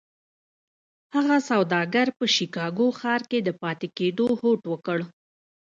هغه سوداګر په شيکاګو ښار کې د پاتې کېدو هوډ وکړ.